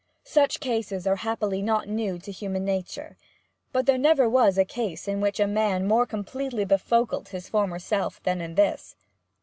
Such cases are happily not new to human nature, but there never was a case in which a man more completely befocled his former self than in this.